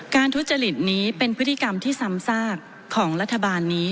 ทุจริตนี้เป็นพฤติกรรมที่ซ้ำซากของรัฐบาลนี้